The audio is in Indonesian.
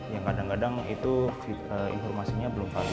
yang kadang kadang itu informasinya belum valid